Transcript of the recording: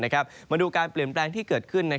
มาดูการเปลี่ยนแปลงที่เกิดขึ้น